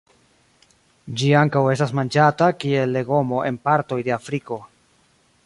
Ĝi ankaŭ estas manĝata kiel legomo en partoj de Afriko.